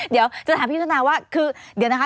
เดี๋ยวจะถามพี่ชนะว่า